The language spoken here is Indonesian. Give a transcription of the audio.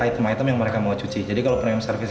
item item yang mereka mau cuci jadi kalau premium service